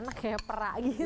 enak kayak perak gitu